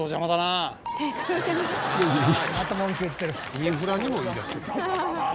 「インフラにも言いだしてる」